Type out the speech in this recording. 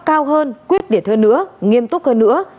cao hơn quyết liệt hơn nữa nghiêm túc hơn nữa